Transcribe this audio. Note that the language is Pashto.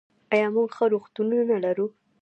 آیا موږ ښه روغتونونه لرو؟